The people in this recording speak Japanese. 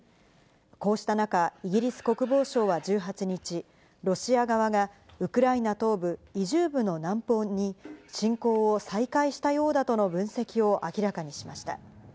こうした中、イギリス国防省は１８日、ロシア側がウクライナ東部イジュームの南方に、進攻を再開したようだとの分析を明らかにしました。